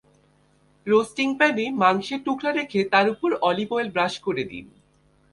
Roasting প্যানে মাংসের টুকরা রেখে তার ওপর অলিভ ওয়েল ব্রাশ করে দিন।